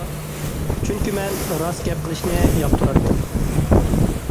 چۈنكى مەن راست گەپ قىلىشنى ياقتۇراتتىم.